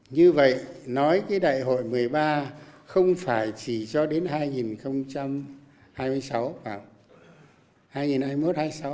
như vậy nói cái đại hội một mươi ba không phải chỉ cho đến hai nghìn hai mươi sáu mà